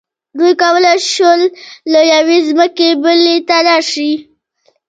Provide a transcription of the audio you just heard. دوی کولی شول له یوې ځمکې بلې ته لاړ شي.